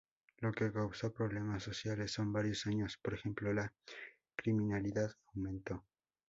Lo que causó problemas sociales, por varios años, por ejemplo, la criminalidad aumentó.